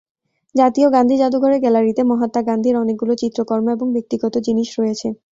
জাতীয় গান্ধী জাদুঘরের গ্যালারিতে মহাত্মা গান্ধীর অনেকগুলো চিত্রকর্ম এবং ব্যক্তিগত জিনিস রয়েছে।